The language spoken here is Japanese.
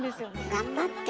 頑張って。